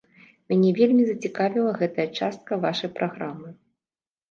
Мяне вельмі зацікавіла гэтая частка вашае праграмы.